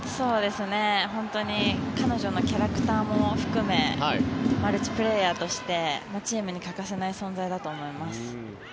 本当に彼女のキャラクターも含めマルチプレーヤーとしてチームに欠かせない存在だと思います。